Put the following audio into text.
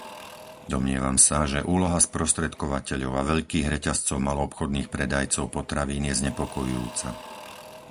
Domnievam sa, že úloha sprostredkovateľov a veľkých reťazcov maloobchodných predajcov potravín je znepokojujúca.